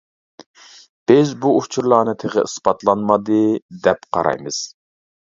بىز بۇ ئۇچۇرلارنى تېخى ئىسپاتلانمىدى دەپ قارايمىز.